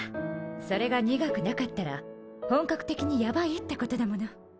それが苦くなかったら本格的にやばいってことだもの。